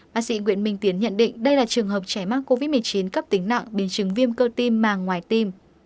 bác sĩ nguyễn minh tiến nhận định đây là trường hợp trẻ mắc covid một mươi chín cấp tính nặng biến chứng viêm cơ tim màng ngoài tim